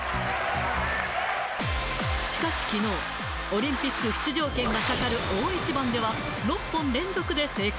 しかしきのう、オリンピック出場権がかかる大一番では、６本連続で成功。